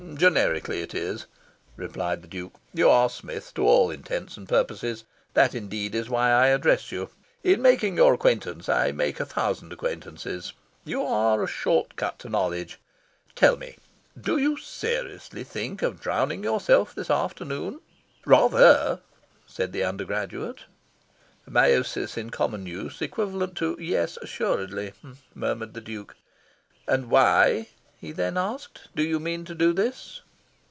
"Generically it is," replied the Duke. "You are Smith to all intents and purposes. That, indeed, is why I address you. In making your acquaintance, I make a thousand acquaintances. You are a short cut to knowledge. Tell me, do you seriously think of drowning yourself this afternoon?" "Rather," said the undergraduate. "A meiosis in common use, equivalent to 'Yes, assuredly,'" murmured the Duke. "And why," he then asked, "do you mean to do this?"